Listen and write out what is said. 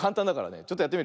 ちょっとやってみるよ。